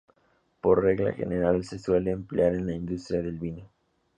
Por regla general, se suele emplear en la industria del vino.